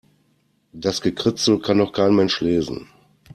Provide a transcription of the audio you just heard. Das Gekritzel kann doch kein Mensch lesen.